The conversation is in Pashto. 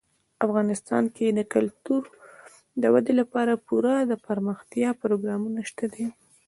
افغانستان کې د کلتور د ودې لپاره پوره دپرمختیا پروګرامونه شته دي.